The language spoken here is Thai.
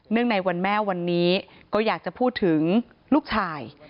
ในวันแม่วันนี้ก็อยากจะพูดถึงลูกชาย